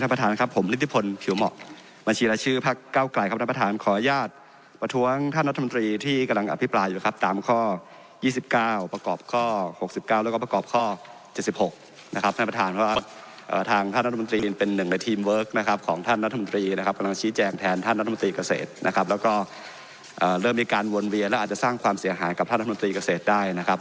เริ่มมีการวนเวียนและอาจจะสร้างความเสียหายกับท่านรัฐมนตรีเกษตรได้นะครับ